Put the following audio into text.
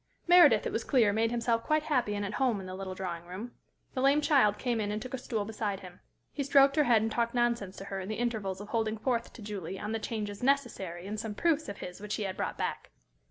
Meredith, it was clear, made himself quite happy and at home in the little drawing room. The lame child came in and took a stool beside him. He stroked her head and talked nonsense to her in the intervals of holding forth to Julie on the changes necessary in some proofs of his which he had brought back.